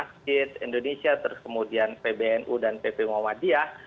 kepada teman teman mui dewan masjid indonesia terus kemudian pbnu dan ppmu wadiah